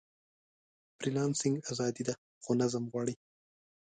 فریلانسنګ ازادي ده، خو نظم غواړي.